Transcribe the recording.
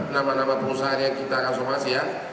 nama nama perusahaan yang kita akan somasi ya